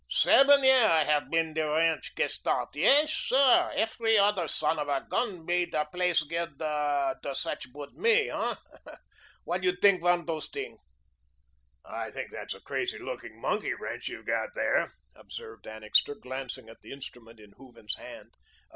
Sieben yahr I hef bei der rench ge stopped; yais, sir. Efery oder sohn of a guhn bei der plaice ged der sach bud me. Eh? Wat you tink von dose ting?" "I think that's a crazy looking monkey wrench you've got there," observed Annixter, glancing at the instrument in Hooven's hand.